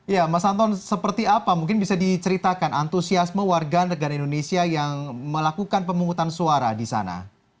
ya mas anton seperti apa mungkin bisa diceritakan antusiasme warga negara indonesia yang melakukan pemungutan suara di sana